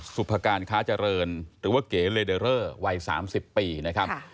สุภาการค้าเจริญหรือว่าเก๋เลเดอเรอร์วัย๓๐ปีนะครับ